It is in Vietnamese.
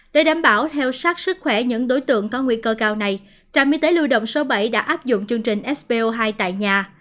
để đảm bảo theo sát sức khỏe những đối tượng có nguy cơ cao này trạm y tế lưu động số bảy đã áp dụng chương trình sbo hai tại nhà